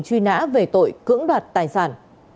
truy nã về tội cưỡng đoạt tài sản